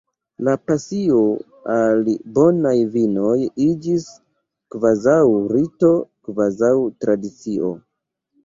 La pasio al bonaj vinoj iĝis kvazaŭ rito, kvazaŭ tradicio.